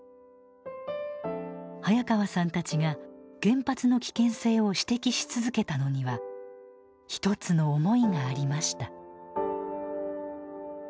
早川さんたちが原発の危険性を指摘し続けたのにはひとつの思いがありました。